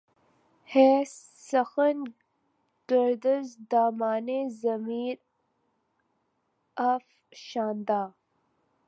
ہے سخن گرد ز دَامانِ ضمیر افشاندہ